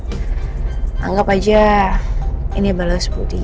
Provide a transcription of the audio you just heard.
jadi anggap aja ini bales budi